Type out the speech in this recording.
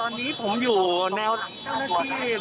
เหลือเพียงกลุ่มเจ้าหน้าที่ตอนนี้ได้ทำการแตกกลุ่มออกมาแล้วนะครับ